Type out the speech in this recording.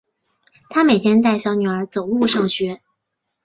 她每天带小女儿走路上学